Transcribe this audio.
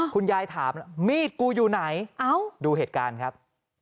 คุณยายถามมีดกูอยู่ไหนดูเหตุการณ์ครับ